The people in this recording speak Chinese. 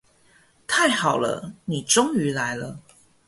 太好了，你终于来了。